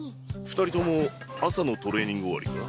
二人とも朝のトレーニング終わりか？